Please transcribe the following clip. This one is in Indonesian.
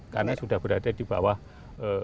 karena sudah berada di bawah unesco